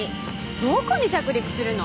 どこに着陸するの？